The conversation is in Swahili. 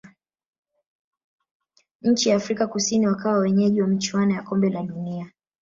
nchi ya afrika kusini wakawa wenyeji wa michuano ya kombe la dunia